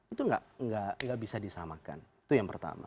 itu nggak bisa disamakan itu yang pertama